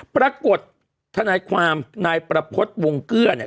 ทนายความนายประพฤติวงเกื้อเนี่ย